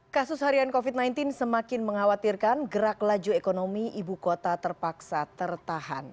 kasus harian covid sembilan belas semakin mengkhawatirkan gerak laju ekonomi ibu kota terpaksa tertahan